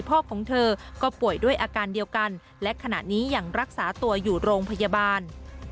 ของเธอก็ป่วยด้วยอาการเดียวกันและขณะนี้ยังรักษาตัวอยู่โรงพยาบาล